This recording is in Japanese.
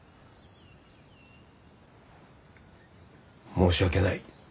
申し訳ない。